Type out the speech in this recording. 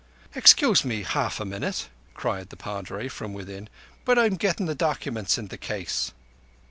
"Excuse me half a minute," cried the Padre from within, "but I'm gettin' the documents in the case."